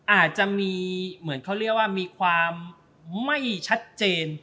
อาจจะมีเหมือนเขาเรียกว่ามีความไม่ชัดเจน